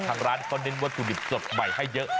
ทางร้านเขาเน้นวัตถุดิบสดใหม่ให้เยอะ